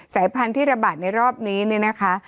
สายพันธุ์ที่ระบาดในรอบนี้เนี่ยนะคะ